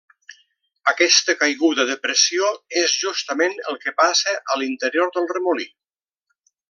Aquesta caiguda de pressió és justament el que passa a l'interior del remolí.